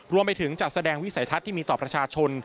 จัดแสดงวิสัยทัศน์ที่มีต่อประชาชน